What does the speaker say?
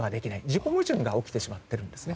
自己矛盾が起きてしまってるんです。